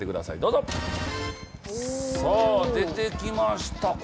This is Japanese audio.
さあ出てきました。